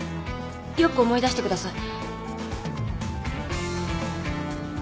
よく思い出してください。